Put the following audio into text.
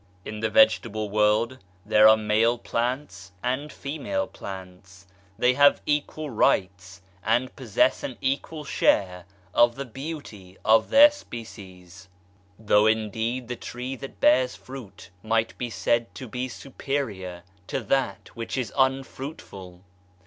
In the vegetable world there are male plants and female 150 EQUALITY OF SEX plants ; they have equal rights, and possess an equal share of the beauty of their species ; though indeed the tree that bears fruit might be said to be superior to that which is unfruitful.